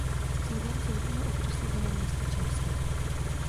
Sídlem soudního okresu bylo město Čáslav.